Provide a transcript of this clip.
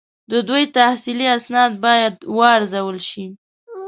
د دوی تحصیلي اسناد باید وارزول شي.